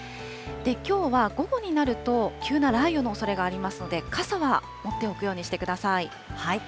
きょうは午後になると、急な雷雨のおそれがありますので、傘は持っておくようにしてください。